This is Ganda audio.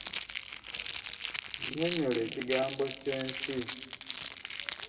Nnyinyonnyola ekigambo ssensi.